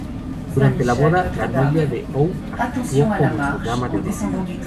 Durante la boda, la novia de Ou actuó como su dama de honor.